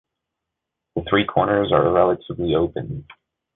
The three corners are relatively open.